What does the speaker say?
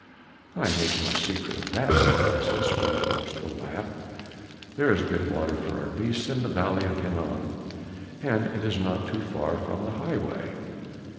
"I make no secret of that," said Gestas with a boastful laugh. "There is good water for our beasts in the valley of Hinnom, and it is not too far from the highway.